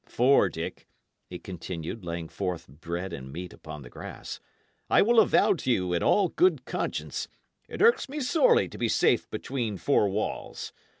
For, Dick," he continued, laying forth bread and meat upon the grass, "I will avow to you, in all good conscience, it irks me sorely to be safe between four walls.